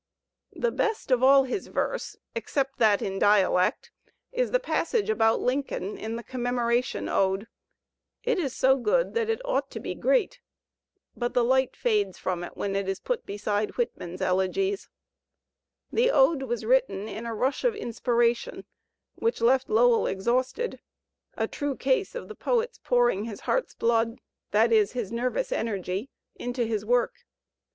The best of all his verse, except that in dialect, is the passage about Lincoln in the "Commemoration Ode"; it is so good that it ought to be great, but the light fades from it when it is put beside Whitman's elegies. The Ode was written in a rush of inspiration which left Lowell exhausted, a true case of the poet's pouring his heart's blood Digitized by Google 19« THE SPIRIT OF AMERICAN LITERATURE (that is, his nervous energy) into his work.